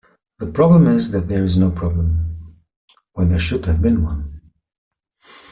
The problem is that there is no problem when there should have been one.